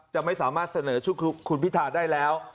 จะไม่สามารถเสนอชื่อคุณพิธาได้แล้ว